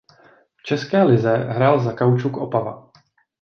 V české lize hrál za Kaučuk Opava.